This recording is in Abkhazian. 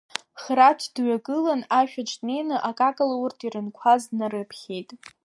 Храҭ дҩагылан, ашәаҿ днеины, акакала урҭ ирынқәаз днарыԥхьеит.